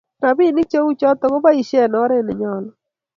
Rabinik che uchotok keboishe eng' oret ne nyalu